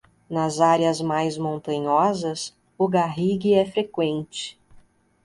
Nas áreas mais montanhosas, o garrigue é freqüente.